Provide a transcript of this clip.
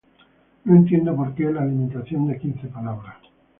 no entiendo por qué la limitación de quince palabras